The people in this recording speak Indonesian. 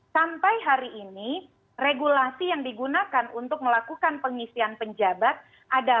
sampai hari ini regulasi yang digunakan untuk melakukan pengisian penjabat adalah